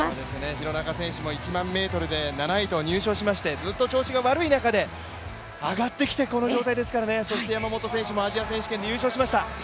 廣中選手も１００００ｍで７位と入賞して、調子が悪い中で上がってきましたからそして山本選手もアジア選手権で優勝しました。